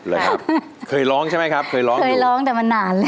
เหรอครับเคยร้องใช่ไหมครับเคยร้องเคยร้องแต่มันนานแล้ว